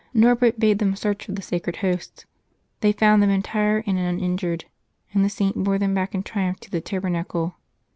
Norbert bade them search for the Sacred Hosts. They found them entire and uninjured, and the Saint bore them back in triumph to the tabernacle.